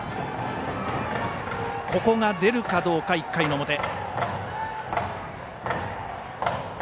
ここが出るかどうか、１回の表。